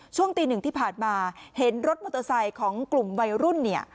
ช่วงตีหนึ่งที่ผ่านมาเห็นรถมอเตอร์ไซค์ของกลุ่มวัยรุ่นเนี่ย